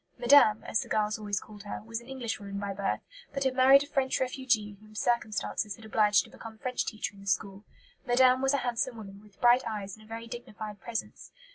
"Madame," as the girls always called her, was an Englishwoman by birth, but had married a French refugee whom circumstances had obliged to become French teacher in the school. Madame was a handsome woman, with bright eyes and a very dignified presence.